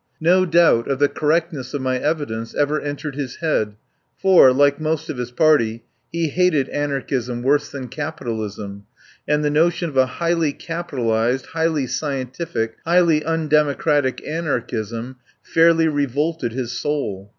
No doubt of the correctness of my evidence ever entered his head, for, like most of his party, he hated anarchism worse than capitalism, and the notion of a highly capitalised, highly scientific, highly undemocratic anarchism fairly revolted his soul.